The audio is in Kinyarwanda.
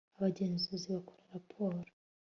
abagenzunzi bakora raporo